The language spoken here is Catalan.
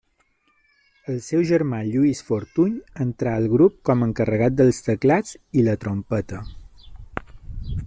El seu germà Lluís Fortuny entrà al grup com encarregat dels teclats i la trompeta.